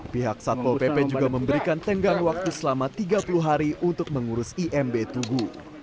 pihak satpol pp juga memberikan tenggang waktu selama tiga puluh hari untuk mengurus imb tugu